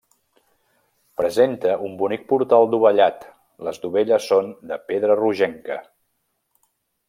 Presenta un bonic portal dovellat, les dovelles són de pedra rogenca.